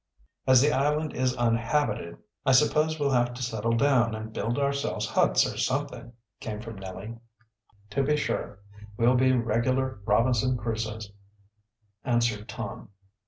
"As the island is uninhabited I suppose we'll have to settle down and build ourselves huts or something," came from Nellie. "To be sure. We'll be regular Robinson Crusoes," answered Tom.